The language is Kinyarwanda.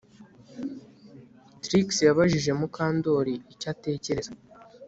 Trix yabajije Mukandoli icyo atekereza